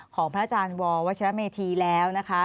ของพระอาจารย์ววัชรเมธีแล้วนะคะ